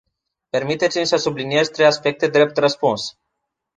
Permiteți-mi să subliniez trei aspecte drept răspuns.